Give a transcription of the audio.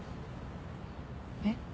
えっ？